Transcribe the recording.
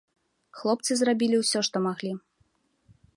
Хлопцы зрабілі ўсё, што маглі.